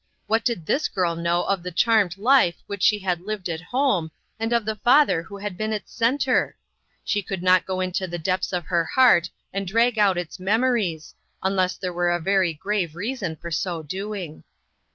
What did Vthis girl know of the charmeJ life which she had lived at home, and of the father who had been its centre ? She could not go into the depths of her heart and drag out its memories, unless there were a very grave reason for so doing.